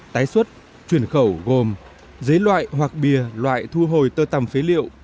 tái xuất chuyển khẩu gồm dế loại hoặc bìa loại thu hồi tơ tầm phế liệu